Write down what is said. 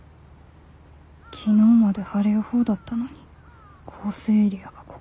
昨日まで晴れ予報だったのに降水エリアがここまで。